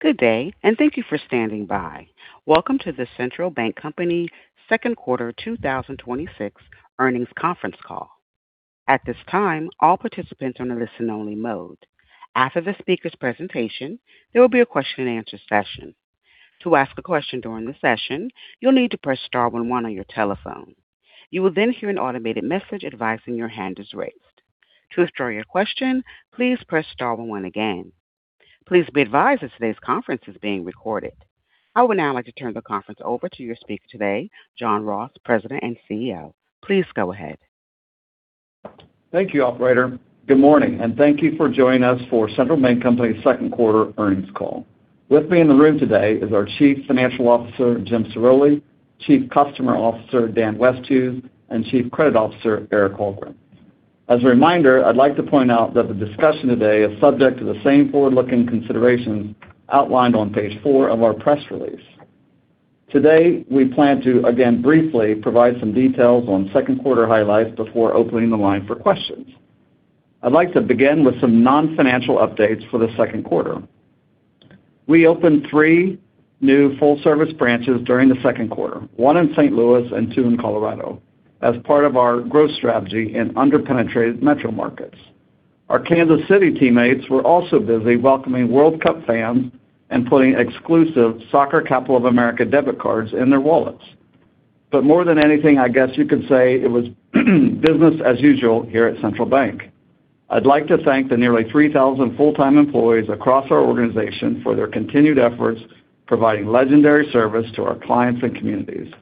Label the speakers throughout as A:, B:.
A: Good day, and thank you for standing by. Welcome to the Central Bancompany second quarter 2026 earnings conference call. At this time, all participants are in a listen-only mode. After the speaker's presentation, there will be a question and answer session. To ask a question during the session, you will need to press star one one on your telephone. You will then hear an automated message advising your hand is raised. To withdraw your question, please press star one one again. Please be advised that today's conference is being recorded. I would now like to turn the conference over to your speaker today, John Ross, President and CEO. Please go ahead.
B: Thank you, operator. Good morning, and thank you for joining us for Central Bancompany's second quarter earnings call. With me in the room today is our Chief Financial Officer, Jim Ciroli, Chief Customer Officer, Dan Westhues, and Chief Credit Officer, Eric Hallgren. As a reminder, I would like to point out that the discussion today is subject to the same forward-looking considerations outlined on page four of our press release. Today, we plan to again briefly provide some details on second quarter highlights before opening the line for questions. I would like to begin with some non-financial updates for the second quarter. We opened three new full-service branches during the second quarter, one in St. Louis and two in Colorado, as part of our growth strategy in under-penetrated metro markets. Our Kansas City teammates were also busy welcoming World Cup fans and putting exclusive Soccer Capital of America debit cards in their wallets. More than anything, I guess you could say it was business as usual here at Central Bank. I would like to thank the nearly 3,000 full-time employees across our organization for their continued efforts providing legendary service to our clients and communities.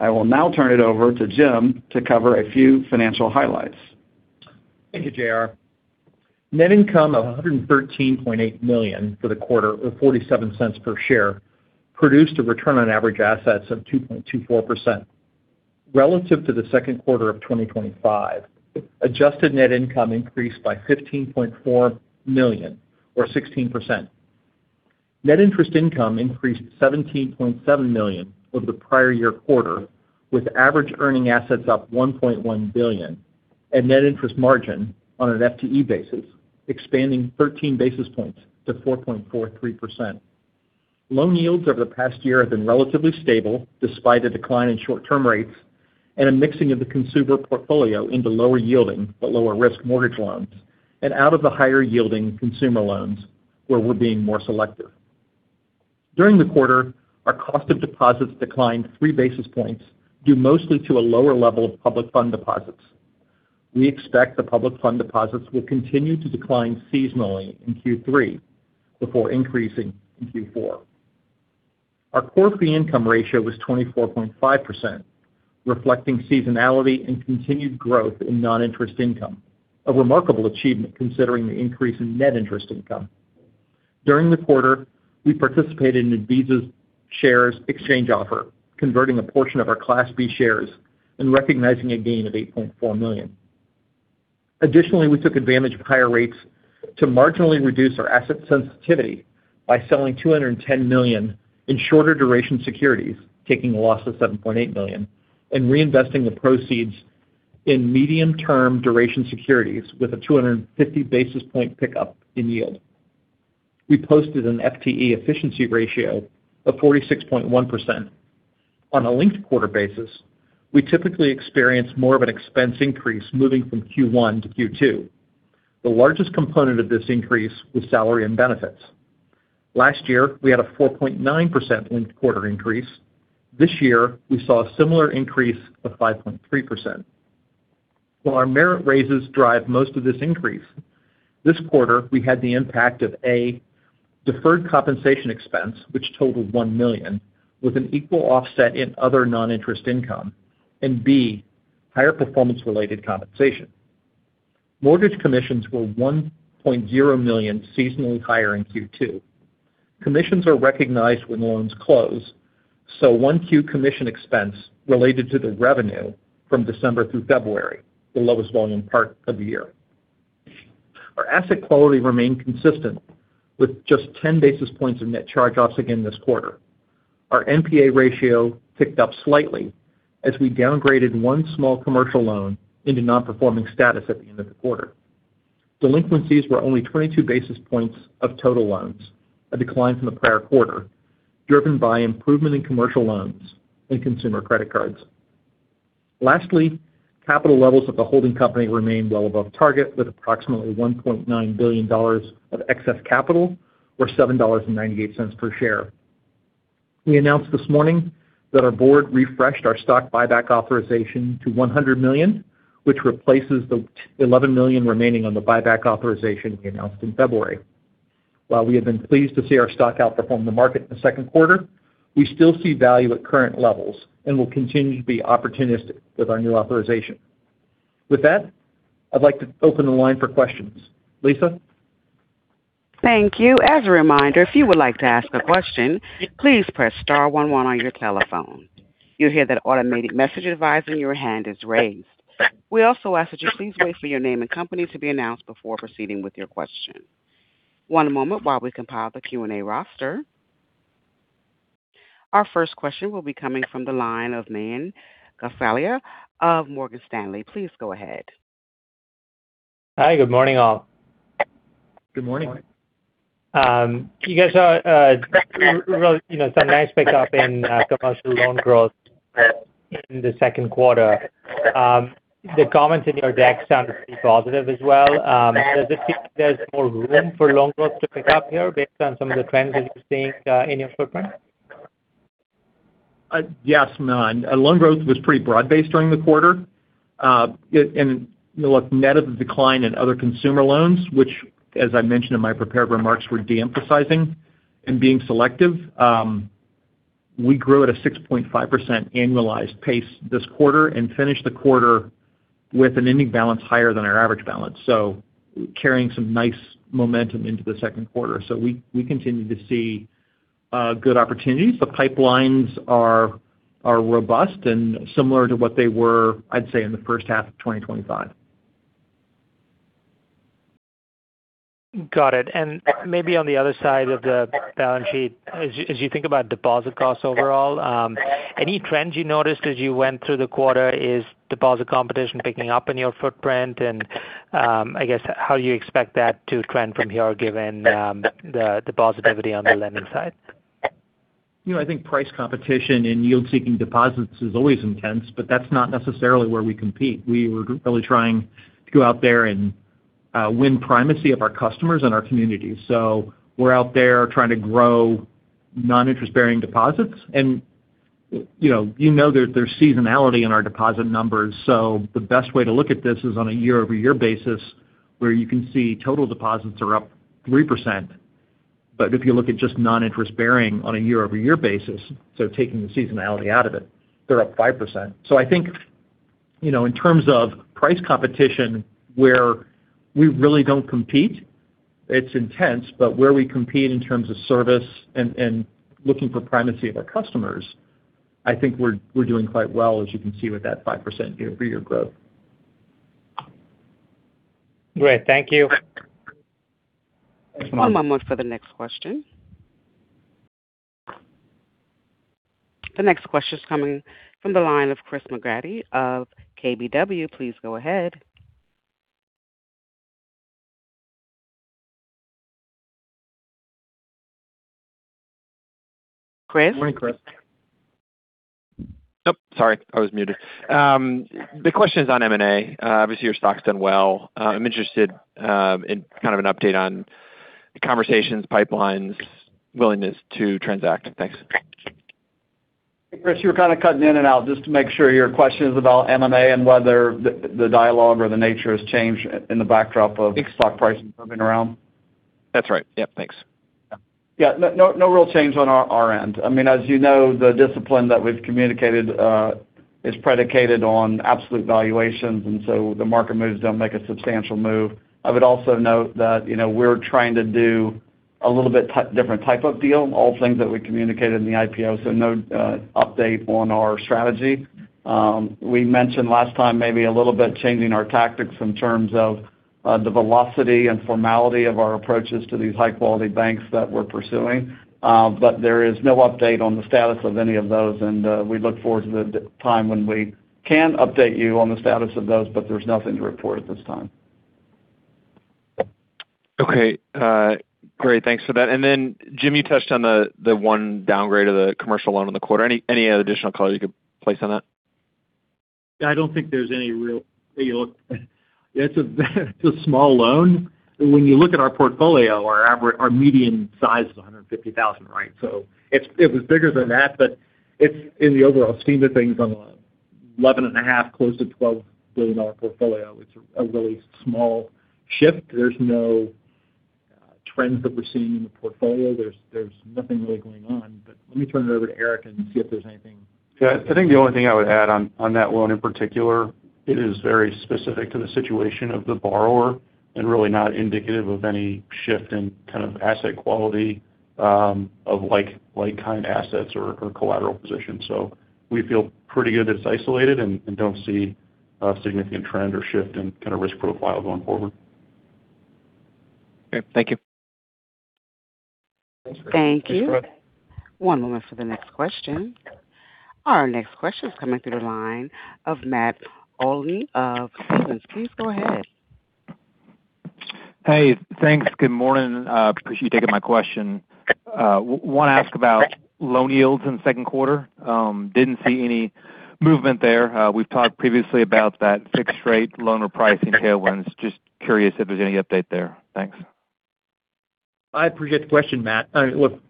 B: I will now turn it over to Jim to cover a few financial highlights.
C: Thank you, J.R. Net income of $113.8 million for the quarter, or $0.47 per share, produced a return on average assets of 2.24%. Relative to the second quarter of 2025, adjusted net income increased by $15.4 million, or 16%. Net interest income increased $17.7 million over the prior year quarter, with average earning assets up $1.1 billion and net interest margin on an FTE basis, expanding 13 basis points to 4.43%. Loan yields over the past year have been relatively stable, despite a decline in short-term rates and a mixing of the consumer portfolio into lower yielding but lower risk mortgage loans and out of the higher yielding consumer loans where we are being more selective. During the quarter, our cost of deposits declined three basis points, due mostly to a lower level of public fund deposits. We expect the public fund deposits will continue to decline seasonally in Q3 before increasing in Q4. Our core fee income ratio was 24.5%, reflecting seasonality and continued growth in non-interest income, a remarkable achievement considering the increase in net interest income. During the quarter, we participated in Visa's shares exchange offer, converting a portion of our Class B shares and recognizing a gain of $8.4 million. Additionally, we took advantage of higher rates to marginally reduce our asset sensitivity by selling $210 million in shorter duration securities, taking a loss of $7.8 million and reinvesting the proceeds in medium-term duration securities with a 250 basis point pickup in yield. We posted an FTE efficiency ratio of 46.1%. On a linked quarter basis, we typically experience more of an expense increase moving from Q1 to Q2. The largest component of this increase was salary and benefits. Last year, we had a 4.9% linked quarter increase. This year, we saw a similar increase of 5.3%. While our merit raises drive most of this increase, this quarter, we had the impact of, A, deferred compensation expense, which totaled $1 million with an equal offset in other non-interest income, and B, higher performance-related compensation. Mortgage commissions were $1.0 million seasonally higher in Q2. Commissions are recognized when loans close, so one Q commission expense related to the revenue from December through February, the lowest volume part of the year. Our asset quality remained consistent with just 10 basis points of net charge-offs again this quarter. Our NPA ratio ticked up slightly as we downgraded one small commercial loan into non-performing status at the end of the quarter. Delinquencies were only 22 basis points of total loans, a decline from the prior quarter, driven by improvement in commercial loans and consumer credit cards. Lastly, capital levels at the holding company remained well above target, with approximately $1.9 billion of excess capital, or $7.98 per share. We announced this morning that our board refreshed our stock buyback authorization to $100 million, which replaces the 11 million remaining on the buyback authorization we announced in February. While we have been pleased to see our stock outperform the market in the second quarter, we still see value at current levels and will continue to be opportunistic with our new authorization. With that, I'd like to open the line for questions. Lisa?
A: Thank you. As a reminder, if you would like to ask a question, please press star one one on your telephone. You'll hear that automated message advising your hand is raised. We also ask that you please wait for your name and company to be announced before proceeding with your question. One moment while we compile the Q&A roster. Our first question will be coming from the line of Manan Gosalia of Morgan Stanley. Please go ahead.
D: Hi. Good morning, all.
C: Good morning.
D: Some nice pickup in commercial loan growth in the second quarter. The comments in your deck sound pretty positive as well. Does it seem there's more room for loan growth to pick up here based on some of the trends that you're seeing in your footprint?
C: Yes, Manan. Loan growth was pretty broad-based during the quarter. Look, net of the decline in other consumer loans, which as I mentioned in my prepared remarks, we're de-emphasizing and being selective. We grew at a 6.5% annualized pace this quarter and finished the quarter with an ending balance higher than our average balance, carrying some nice momentum into the second quarter. We continue to see good opportunities. The pipelines are robust and similar to what they were, I'd say, in the first half of 2025.
D: Got it. Maybe on the other side of the balance sheet, as you think about deposit costs overall, any trends you noticed as you went through the quarter? Is deposit competition picking up in your footprint? I guess how you expect that to trend from here, given the positivity on the lending side?
C: I think price competition in yield-seeking deposits is always intense, that's not necessarily where we compete. We're really trying to go out there and win primacy of our customers and our communities. We're out there trying to grow non-interest-bearing deposits. You know there's seasonality in our deposit numbers, the best way to look at this is on a year-over-year basis where you can see total deposits are up 3%. If you look at just non-interest-bearing on a year-over-year basis, taking the seasonality out of it, they're up 5%. I think in terms of price competition where we really don't compete, it's intense. Where we compete in terms of service and looking for primacy of our customers, I think we're doing quite well, as you can see with that 5% year-over-year growth.
D: Great. Thank you.
A: One moment for the next question. The next question is coming from the line of Chris McGratty of KBW. Please go ahead. Chris?
B: Morning, Chris.
E: Sorry, I was muted. The question is on M&A. Obviously, your stock's done well. I'm interested in kind of an update on conversations, pipelines, willingness to transact. Thanks.
B: Hey, Chris, you were kind of cutting in and out. Just to make sure, your question is about M&A and whether the dialogue or the nature has changed in the backdrop of stock prices moving around?
E: That's right. Yep, thanks.
B: Yeah. No real change on our end. As you know, the discipline that we've communicated is predicated on absolute valuations, the market moves don't make a substantial move. I would also note that we're trying to do a little bit different type of deal, all things that we communicated in the IPO. No update on our strategy. We mentioned last time maybe a little bit changing our tactics in terms of the velocity and formality of our approaches to these high-quality banks that we're pursuing. There is no update on the status of any of those, we look forward to the time when we can update you on the status of those, there's nothing to report at this time.
E: Okay. Great. Thanks for that. Jim, you touched on the one downgrade of the commercial loan in the quarter. Any additional color you could place on that?
C: I don't think there's any real. It's a small loan. When you look at our portfolio, our median size is $150,000, right? It was bigger than that, but it's in the overall scheme of things on the $11.5 billion close to $12 billion portfolio. It's a really small shift. There's no trends that we're seeing in the portfolio. There's nothing really going on. Let me turn it over to Eric and see if there's anything.
F: I think the only thing I would add on that loan in particular, it is very specific to the situation of the borrower and really not indicative of any shift in kind of asset quality of like kind assets or collateral position. We feel pretty good it's isolated and don't see a significant trend or shift in kind of risk profile going forward.
E: Okay. Thank you.
A: Thank you. One moment for the next question. Our next question is coming through the line of Matt Olney of Stephens. Please go ahead.
G: Hey, thanks. Good morning. Appreciate you taking my question. Want to ask about loan yields in the second quarter. Didn't see any movement there. We've talked previously about that fixed rate loan repricing tailwinds. Just curious if there's any update there. Thanks.
C: I appreciate the question, Matt. Look,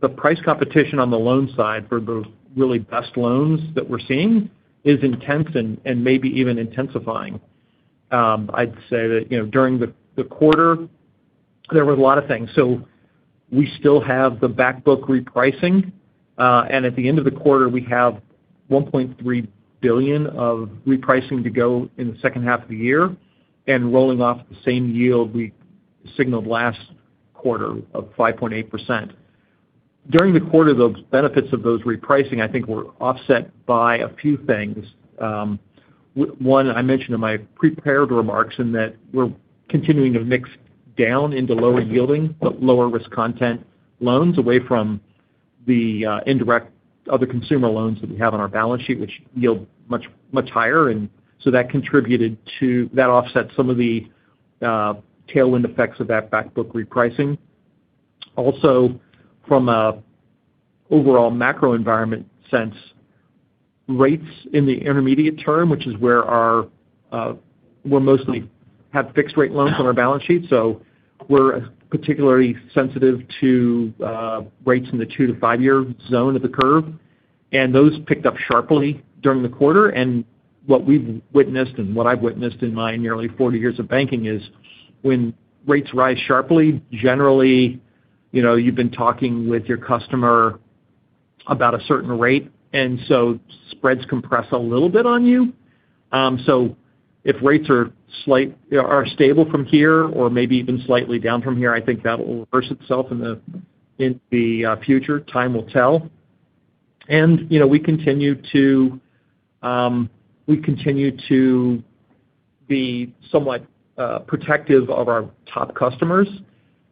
C: the price competition on the loan side for the really best loans that we're seeing is intense and maybe even intensifying. I'd say that during the quarter there were a lot of things. We still have the back book repricing. At the end of the quarter we have $1.3 billion of repricing to go in the second half of the year and rolling off the same yield we signaled last quarter of 5.8%. During the quarter, those benefits of those repricing I think were offset by a few things. One, I mentioned in my prepared remarks in that we're continuing to mix Down into lower yielding but lower risk content loans away from the indirect other consumer loans that we have on our balance sheet, which yield much higher. That offset some of the tailwind effects of that back book repricing. Also, from an overall macro environment sense, rates in the intermediate term, which is where we mostly have fixed rate loans on our balance sheet, so we're particularly sensitive to rates in the two to five-year zone of the curve. Those picked up sharply during the quarter. What we've witnessed and what I've witnessed in my nearly 40 years of banking is when rates rise sharply, generally, you've been talking with your customer about a certain rate, and so spreads compress a little bit on you. If rates are stable from here or maybe even slightly down from here, I think that will reverse itself in the future. Time will tell. We continue to be somewhat protective of our top customers.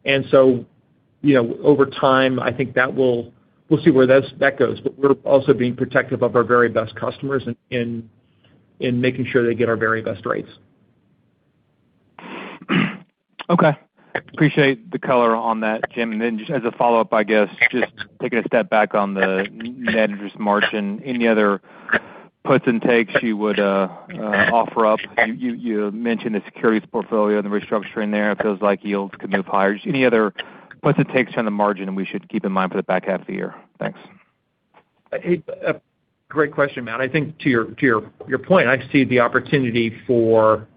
C: Over time, I think that we'll see where that goes. We're also being protective of our very best customers in making sure they get our very best rates.
G: Okay. Appreciate the color on that, Jim. Just as a follow-up, I guess, just taking a step back on the net interest margin, any other puts and takes you would offer up? You mentioned the securities portfolio and the restructuring there if it feels like yields could move higher. Any other puts or takes on the margin that we should keep in mind for the back half of the year? Thanks.
C: Great question, Matt. I think to your point, I see the opportunity for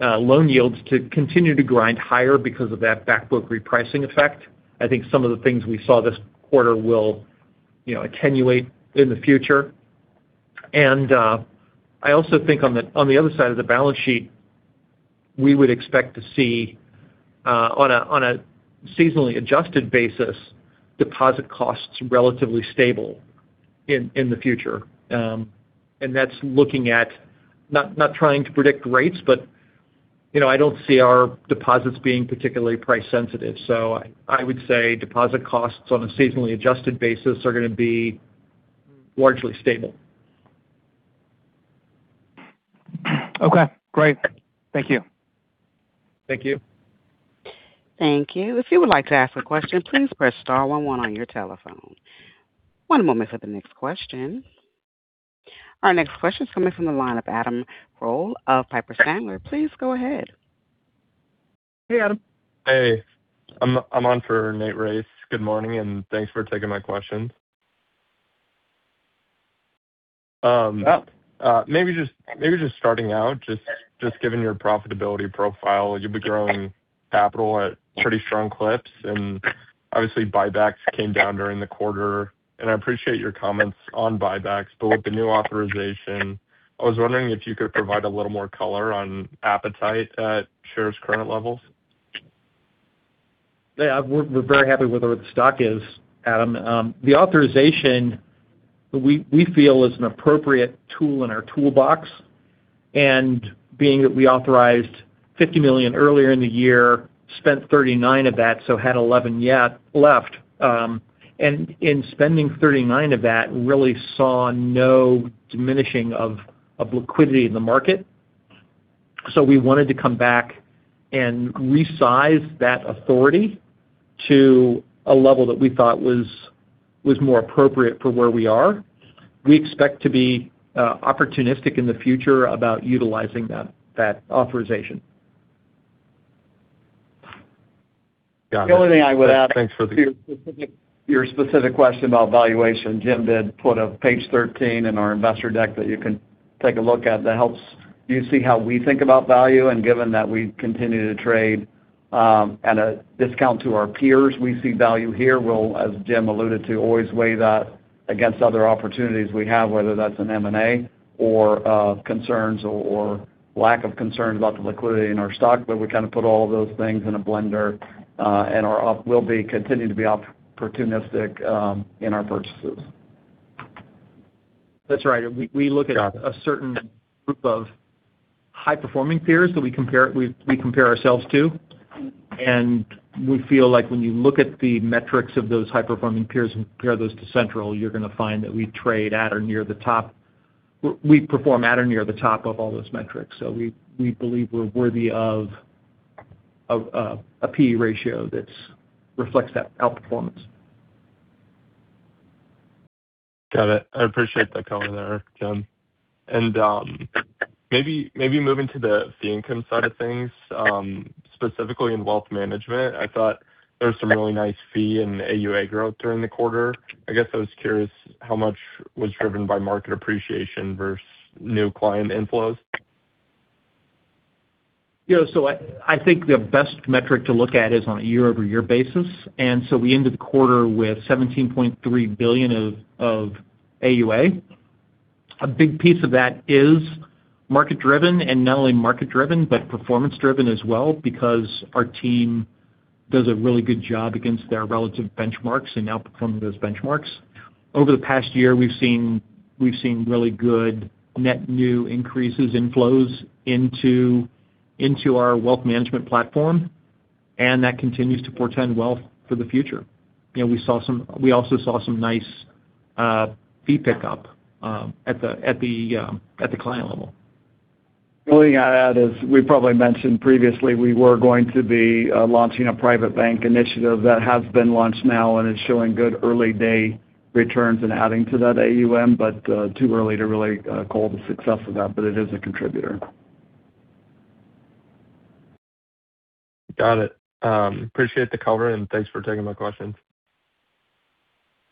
C: loan yields to continue to grind higher because of that back book repricing effect. I think some of the things we saw this quarter will attenuate in the future. I also think on the other side of the balance sheet, we would expect to see, on a seasonally adjusted basis, deposit costs relatively stable in the future. That's looking at not trying to predict rates, but I don't see our deposits being particularly price sensitive. I would say deposit costs on a seasonally adjusted basis are going to be largely stable.
G: Okay, great. Thank you.
C: Thank you.
A: Thank you. If you would like to ask a question, please press star one on your telephone. One moment for the next question. Our next question is coming from the line of Adam Kroll of Piper Sandler. Please go ahead.
C: Hey, Adam.
H: Hey, I'm on for Nathan Race. Good morning, and thanks for taking my questions. Maybe just starting out, just given your profitability profile, you've been growing capital at pretty strong clips and obviously buybacks came down during the quarter. I appreciate your comments on buybacks. With the new authorization, I was wondering if you could provide a little more color on appetite at shares current levels.
C: Yeah. We're very happy with where the stock is, Adam. The authorization, we feel is an appropriate tool in our toolbox, being that we authorized $50 million earlier in the year, spent $39 million of that, had $11 million left. In spending $39 million of that, really saw no diminishing of liquidity in the market. We wanted to come back and resize that authority to a level that we thought was more appropriate for where we are. We expect to be opportunistic in the future about utilizing that authorization.
H: Got it.
B: The only thing I would add.
H: Thanks for the.
B: To your specific question about valuation, Jim did put a page 13 in our investor deck that you can take a look at that helps you see how we think about value, and given that we continue to trade at a discount to our peers, we see value here. We'll, as Jim alluded to, always weigh that against other opportunities we have, whether that's an M&A or concerns or lack of concerns about the liquidity in our stock, but we kind of put all of those things in a blender, and we'll be continuing to be opportunistic in our purchases.
C: That's right. We look at a certain group of high-performing peers that we compare ourselves to. We feel like when you look at the metrics of those high-performing peers and compare those to Central, you're going to find that we trade at or near the top, we perform at or near the top of all those metrics. We believe we're worthy of a PE ratio that reflects that outperformance.
H: Got it. I appreciate that color there, Jim. Maybe moving to the fee income side of things, specifically in wealth management. I thought there was some really nice fee and AUA growth during the quarter. I guess I was curious how much was driven by market appreciation versus new client inflows.
C: Yeah. I think the best metric to look at is on a year-over-year basis. We ended the quarter with $17.3 billion of AUA. A big piece of that is market-driven and not only market-driven, but performance-driven as well because our team does a really good job against their relative benchmarks in outperforming those benchmarks. Over the past year, we've seen really good net new increases inflows into our wealth management platform, and that continues to portend well for the future. We also saw some nice fee pickup at the client level.
B: The only thing I'd add is we probably mentioned previously we were going to be launching a private bank initiative that has been launched now and is showing good early-day returns and adding to that AUM, but too early to really call the success of that. It is a contributor.
H: Got it. Appreciate the color. Thanks for taking my questions.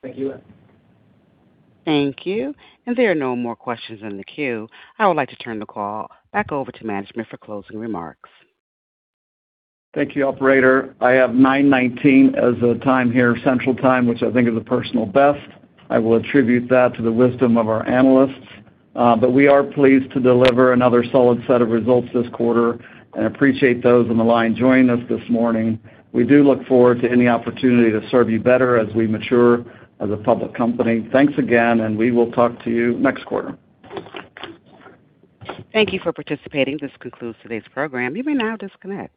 C: Thank you.
A: Thank you. There are no more questions in the queue. I would like to turn the call back over to management for closing remarks.
B: Thank you, operator. I have 9:19 as the time here, Central Time, which I think is a personal best. I will attribute that to the wisdom of our analysts. We are pleased to deliver another solid set of results this quarter and appreciate those on the line joining us this morning. We do look forward to any opportunity to serve you better as we mature as a public company. Thanks again, and we will talk to you next quarter.
A: Thank you for participating. This concludes today's program. You may now disconnect.